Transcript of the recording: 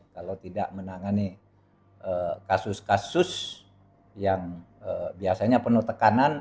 kalau tidak menangani kasus kasus yang biasanya penuh tekanan